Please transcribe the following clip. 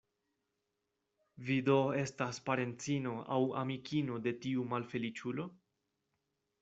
Vi do estas parencino aŭ amikino de tiu malfeliĉulo?